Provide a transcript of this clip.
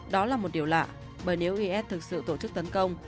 đó là một điều lạ bởi nếu is thực sự tổ chức tấn công